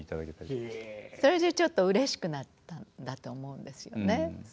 それでちょっとうれしくなったんだと思うんですよね。